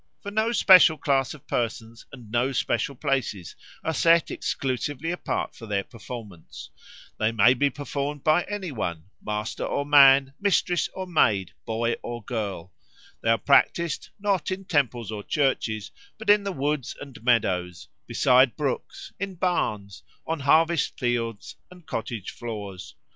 For no special class of persons and no special places are set exclusively apart for their performance; they may be performed by any one, master or man, mistress or maid, boy or girl; they are practised, not in temples or churches, but in the woods and meadows, beside brooks, in barns, on harvest fields and cottage floors.